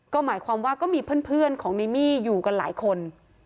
ก็หมายความว่าก็มีเพื่อนของนิมี่อยู่กันหลายคน